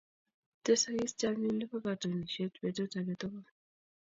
tesakis chamyet Nebo katunisiet betut age tugul